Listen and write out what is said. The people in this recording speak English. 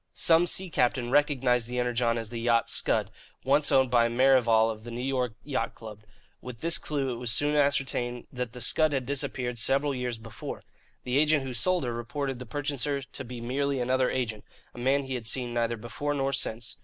Some sea captain recognized the Energon as the yacht Scud, once owned by Merrivale of the New York Yacht Club. With this clue it was soon ascertained that the Scud had disappeared several years before. The agent who sold her reported the purchaser to be merely another agent, a man he had seen neither before nor since.